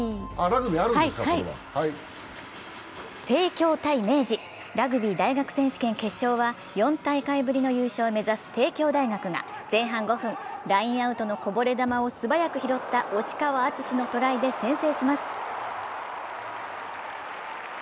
帝京×明治ラグビー大学選手権決勝は４大会ぶりの優勝を目指す帝京大学が前半５分、ラインアウトのこぼれ球を素早く拾った押川敦治のトライで先制します。